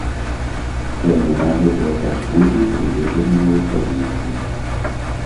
Цэны на гэтыя паслугі прыведзеныя ў табліцы.